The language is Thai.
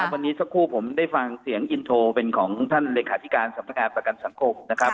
วันนี้สักครู่ผมได้ฟังเสียงอินโทรเป็นของท่านเลขาธิการสำนักงานประกันสังคมนะครับ